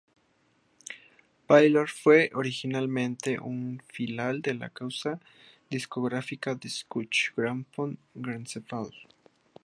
Polydor fue originariamente una filial de la casa discográfica Deutsche Grammophon Gesellschaft.